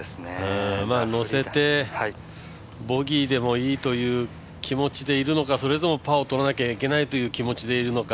乗せて、ボギーでもいいという気持ちでいるのか、それともパーを取らなきゃいけないという気持ちでいるのか